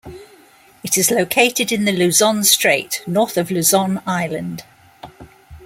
It is located in the Luzon Strait north of Luzon Island.